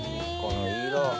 この色。